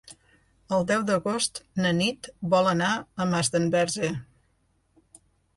El deu d'agost na Nit vol anar a Masdenverge.